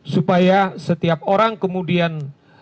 supaya setiap orang kemudian